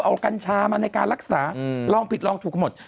เอากัญญาณชามันในการรักษาลองผิดลองถูกหมด